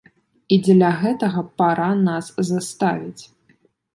І дзеля гэтага пара нас заставіць.